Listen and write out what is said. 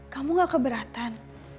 kamu nggak keberatan